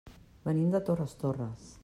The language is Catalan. Venim de Torres Torres.